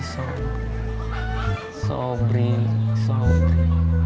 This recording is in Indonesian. setengah setengah aja